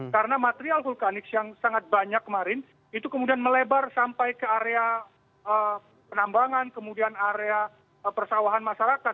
karena material vulkanik yang sangat banyak kemarin itu kemudian melebar sampai ke area penambangan kemudian area persawahan masyarakat